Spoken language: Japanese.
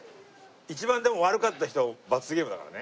一番でも悪かった人は罰ゲームだからね。